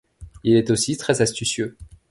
Il est aussi très astucieux.